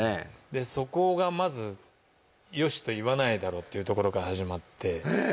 でそこがまずよしと言わないだろうというところから始まってええ